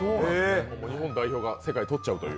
日本代表が世界とっちゃうという。